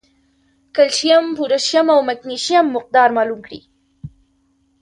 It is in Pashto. کېلشیم ، پوټاشیم او مېګنيشم مقدار معلوم کړي